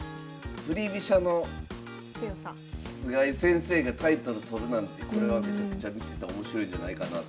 振り飛車の菅井先生がタイトル取るなんてこれは見ててめちゃくちゃ面白いんじゃないかなと。